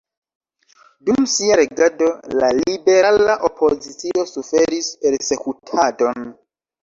Dum sia regado la liberala opozicio suferis persekutadon.